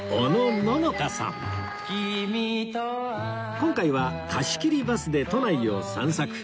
今回は貸し切りバスで都内を散策